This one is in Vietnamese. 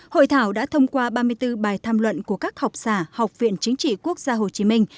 hội thảo đã thông qua ba mươi bốn bài tham luận của các học giả học viện chính trị quốc gia hồ chí minh